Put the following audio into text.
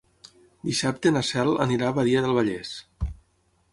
Dissabte na Cel anirà a Badia del Vallès.